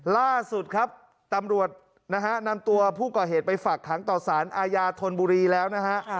ล่าสุดครับตำรวจนะฮะนำตัวผู้ก่อเหตุไปฝากขังต่อสารอาญาธนบุรีแล้วนะฮะ